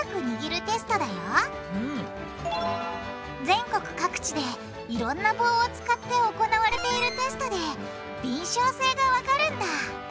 全国各地でいろんな棒を使って行われているテストで敏しょう性がわかるんだ。